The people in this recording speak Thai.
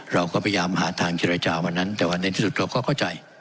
เราก็พยายามหาทางเจรจาวันนั้นแต่ว่าในที่สุดเราก็เข้าใจ